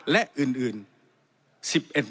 และอื่น